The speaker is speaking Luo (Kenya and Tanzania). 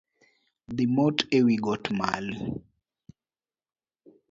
Dhi moti e wigot mali.